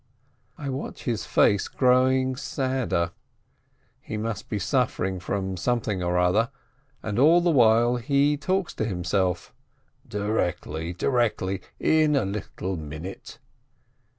I watch his face growing sadder — he must be suf fering from something or other — and all the while he talks to himself, "Directly, directly, in one little minute."